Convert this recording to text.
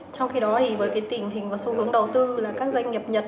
trong khi đó thì với tình hình và xu hướng đầu tư là các doanh nghiệp nhật